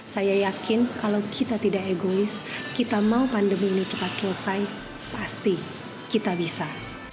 saya yakin kalau kita tidak egois kita mau pandemi ini cepat selesai pasti kita bisa